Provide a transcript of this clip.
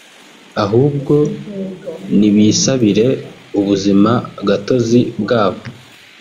ahubwo nibisabire ubuzima gatozi bwabo